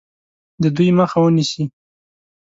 د دوی مخه ونیسي.